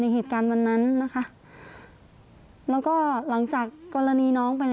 แล้วก็ย้ำว่าจะเดินหน้าเรียกร้องความยุติธรรมให้ถึงที่สุด